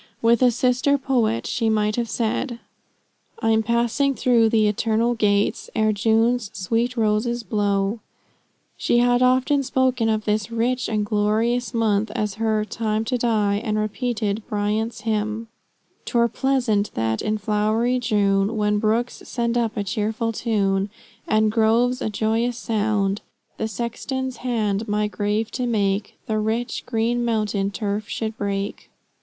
With a sister poet she might have said "I'm passing through the eternal gates, Ere June's sweet roses blow." She had often spoken of this rich and glorious month as her "time to die," and repeated Bryant's hymn, "'Twere pleasant that in flowery June, When brooks send up a cheerful tune, And groves a joyous sound, The sexton's hand my grave to make, The rich, green mountain turf should break."